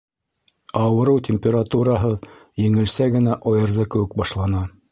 Ауырыу температураһыҙ, еңелсә генә ОРЗ кеүек башлана.